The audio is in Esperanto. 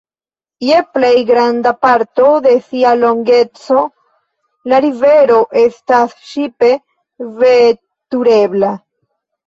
Je plej granda parto de sia longeco la rivero estas ŝipe veturebla.